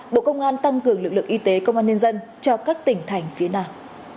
bộ công an tăng cường lực lượng y tế công an nhân dân cho các tỉnh thành phía nam